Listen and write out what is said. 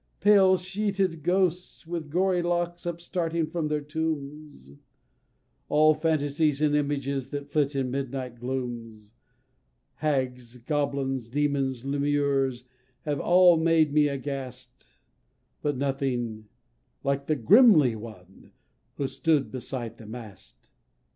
Pale sheeted ghosts, with gory locks, upstarting from their tombs All phantasies and images that flit in midnight glooms Hags, goblins, demons, lemures, have made me all aghast, But nothing like that GRIMLY ONE who stood beside the mast!